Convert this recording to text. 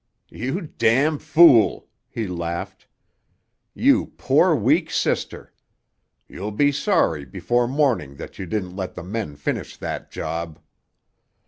"You —— fool!" he laughed. "You poor weak sister! You'll be sorry before morning that you didn't let the men finish that job!"